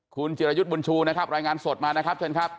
คุณจิรยุทธ์บุญชูนะครับรายงานสดมานะครับเชิญครับ